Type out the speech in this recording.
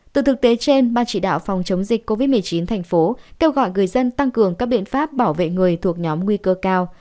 từ thực tế trên ban chỉ đạo phòng chống dịch covid một mươi chín thành phố kêu gọi người dân tăng cường các biện pháp bảo vệ người thuộc nhóm nguy cơ cao